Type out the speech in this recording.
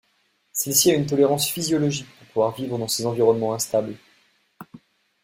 Celle-ci a une tolérance physiologique pour pouvoir vivre dans ces environnements instables.